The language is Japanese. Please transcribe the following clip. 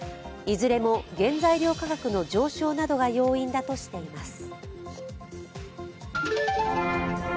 いずれも原材料価格の上昇などが要因だとしています。